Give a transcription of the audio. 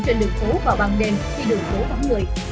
trên đường phố vào băng đêm khi đường phố vắng người